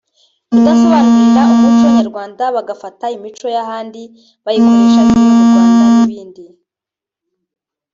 kudasobanukirwa umuco nyarwanda bagafata imico y’ahandi bakayikoresha nk’iyo mu Rwanda n’ibindi